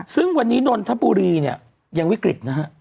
ซึ่งวันนี้นนทบุรีเนี่ยยังวิกฤตนะฮะ